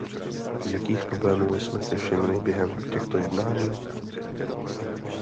Jakých problémů jsme si všimli během těchto jednání?